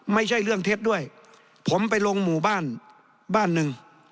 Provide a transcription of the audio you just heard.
ไม่ใช่เรื่องเท็จด้วยผมไปลงหมู่บ้านบ้านหนึ่ง